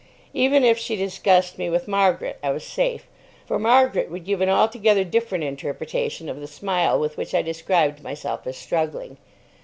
Even if she discussed me with Margaret I was safe. For Margaret would give an altogether different interpretation of the smile with which I described myself as struggling.